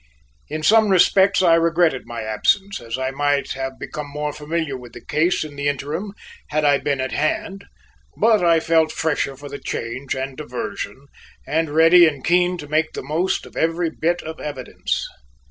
In some respects I regretted my absence, as I might have become more familiar with the case in the interim had I been at hand, but I felt fresher for the change and diversion and ready and keen to make the most of every bit of evidence.